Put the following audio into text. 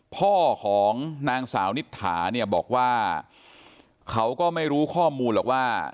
พ่อของนางสาวนิษฐาเนี่ยบอกว่าเขาก็ไม่รู้ข้อมูลหรอกว่า